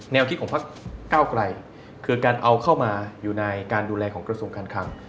แนวคิดของภารก์เก้าไกรคือการเอาเข้ามาอยู่ในการดูแลของกรสงค์คันครัง